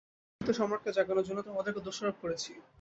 দুঃখিত, সম্রাটকে জাগানোর জন্য তোমাদেরকে দোষারোপ করেছি।